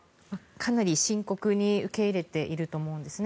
かなり深刻に受け入れていると思うんですね。